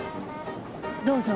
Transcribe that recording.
どうぞ。